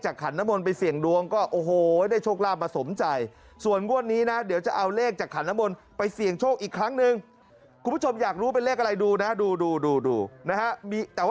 หัวจะชนหน้าจออยู่แล้ว